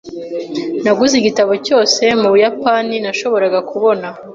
Naguze igitabo cyose mubuyapani nashoboraga kubona .